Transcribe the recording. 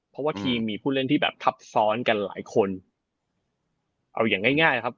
เพราะว่าทีมมีผู้เล่นที่แบบทับซ้อนกันหลายคนเอาอย่างง่ายง่ายนะครับ